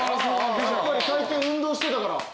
やっぱり最近運動してたから。